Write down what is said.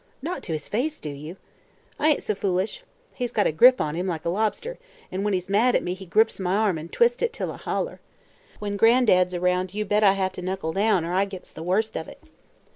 "Not to his face, do you?" "I ain't so foolish. He's got a grip on him like a lobster, an' when he's mad at me he grips my arm an' twists it till I holler. When Gran'dad's aroun' you bet I hev to knuckle down, er I gits the worst of it."